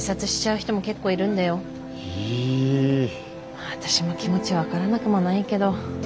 まあ私も気持ち分からなくもないけど。